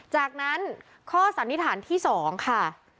จากนั้นข้อสันนิษฐานที่๒ค่ะ